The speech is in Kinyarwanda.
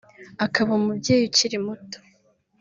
Akaba umubyeyi ukiri muto